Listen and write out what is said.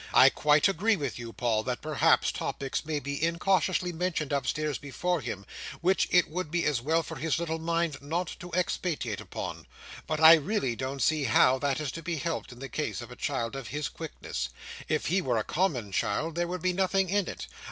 I quite agree with you, Paul, that perhaps topics may be incautiously mentioned upstairs before him, which it would be as well for his little mind not to expatiate upon; but I really don't see how that is to be helped, in the case of a child of his quickness. If he were a common child, there would be nothing in it.